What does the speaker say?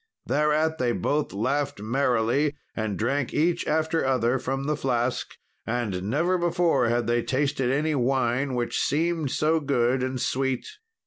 Thereat they both laughed merrily, and drank each after other from the flask, and never before had they tasted any wine which seemed so good and sweet.